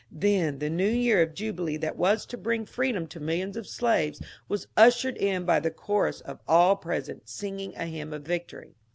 Then the New Year of jubilee that was to bring freedom to millions of slaves was ushered in by the chorus of all present singing a hymn of victory.